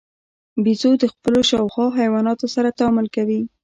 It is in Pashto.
بیزو د خپلو شاوخوا حیواناتو سره تعامل کوي.